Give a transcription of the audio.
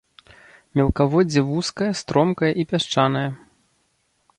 Мелкаводдзе вузкае, стромкае і пясчанае.